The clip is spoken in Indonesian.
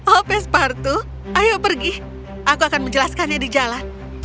oh pespartu ayo pergi aku akan menjelaskannya di jalan